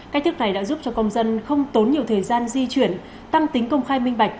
cách thức này đã giúp cho công dân không tốn nhiều thời gian di chuyển tăng tính công khai minh bạch